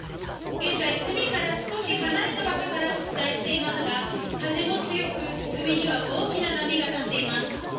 現在、海から少し離れた場所からお伝えしていますが、風も強く、海には大きな波が立っています。